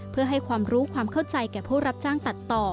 เพื่อให้ความรู้ความเข้าใจแก่ผู้รับจ้างตัดต่อ